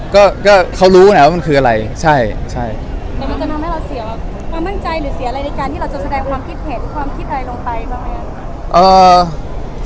ก็ก็เขารู้ไงว่ามันคืออะไรใช่ใช่แต่มันจะทำให้เราเสียความมั่นใจหรือเสียอะไรในการที่เราจะแสดงความคิดเห็นความคิดอะไรลงไปบ้างไหมคะ